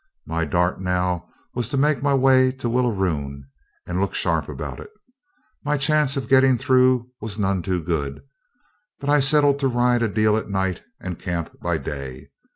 My dart now was to make my way to Willaroon and look sharp about it. My chance of getting through was none too good, but I settled to ride a deal at night and camp by day.